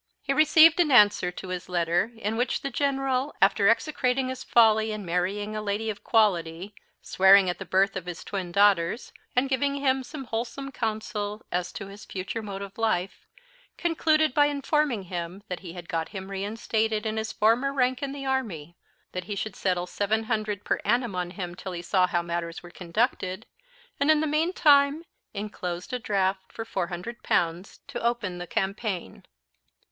He received an answer to his letter, in which the General, after execrating his folly in marrying a lady of quality, swearing at the birth of his twin daughters, and giving him some wholesome counsel as to his future mode of life, concluded by informing him that he had got him reinstated in his former rank in the army; that he should settle seven hundred per annum on him till he saw how matters were conducted, and, in the meantime, enclosed a draught for four hundred pounds, to open the campaign.